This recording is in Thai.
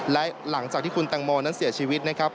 และหลังจากที่คุณแตงโมนั้นเสียชีวิตนะครับ